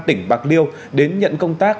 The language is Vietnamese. tỉnh bạc liêu đến nhận công tác